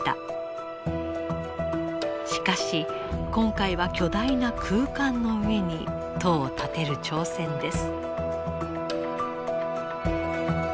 しかし今回は巨大な空間の上に塔を建てる挑戦です。